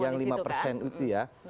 yang lima persen itu ya